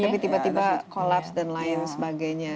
tapi tiba tiba kolaps dan lain sebagainya